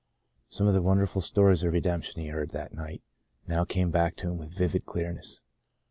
Some of the wonderful stories of re demption he heard that night now came back to him with vivid clearness.